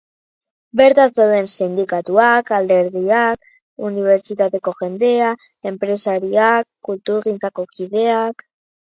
Bertan zeuden sindikatuak, alderdiak, unibertsitateko jendea, enpresariak, kulturgintzako kideak...